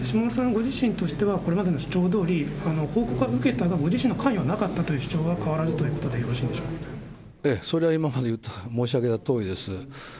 ご自身としては、これまでの主張どおり、報告は受けたが、ご自身の関与はなかったという主張は変わらずということでよろしええ、それは今まで申し上げたとおりですね。